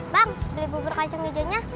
bang beli bubur kacang hijaunya